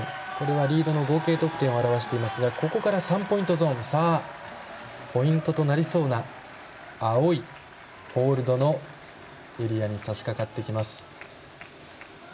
リードの合計得点を表していますがここからポイントとなりそうな青いホールドのエリアにさしかかってきます。